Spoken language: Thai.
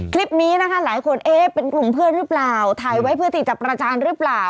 คลิปนี้นะคะหลายคนเอ๊ะเป็นกลุ่มเพื่อนหรือเปล่าถ่ายไว้เพื่อที่จะประจานหรือเปล่า